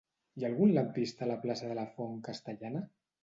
Hi ha algun lampista a la plaça de la Font Castellana?